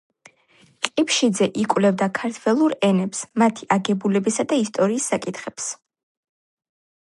ყიფშიძე იკვლევდა ქართველურ ენებს, მათი აგებულებისა და ისტორიის საკითხებს.